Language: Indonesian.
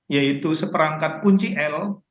yaitu seperangkat kunci l